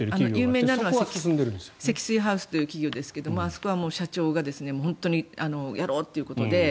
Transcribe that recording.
有名なのは積水ハウスという企業ですがあそこは社長が本当にやろうということで。